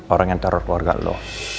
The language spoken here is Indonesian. orang yang teror keluarga loh